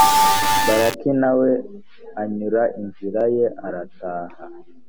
balaki na we anyura inzira ye, arataha.